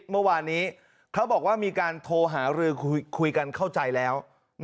เมื่อวานนี้เขาบอกว่ามีการโทรหารือคุยกันเข้าใจแล้ว